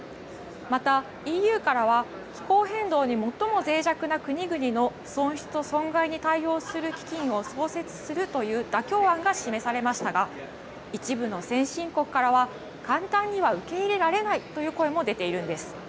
また、ＥＵからは気候変動に最もぜい弱な国々の損失と損害に対応する基金を創設するという妥協案が示されましたが一部の先進国からは簡単には受け入れられないという声も出ているんです。